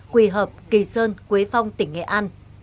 quỳ hợp kỳ sơn quế phong tỉnh nghệ an